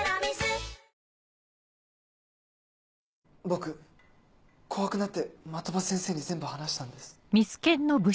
僕怖くなって的場先生に全部話したんです。